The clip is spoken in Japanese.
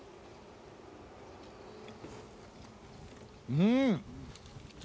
うん！